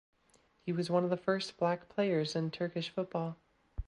He was one of the first black players in Turkish football.